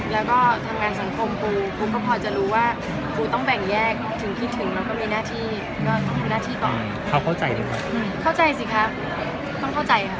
แล้วก็ทำงานสังคมกูกูก็พอจะรู้ว่ากูต้องแบ่งแยกถึงคิดถึง